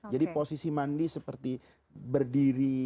jadi posisi mandi seperti berdiri